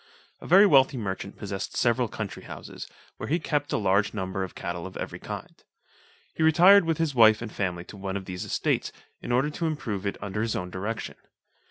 A very wealthy merchant possessed several country houses, where he kept a large number of cattle of every kind. He retired with his wife and family to one of these estates, in order to improve it under his own direction.